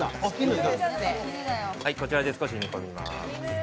こちらで少し煮込みます。